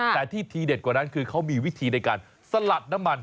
แต่ที่ทีเด็ดกว่านั้นคือเขามีวิธีในการสลัดน้ำมัน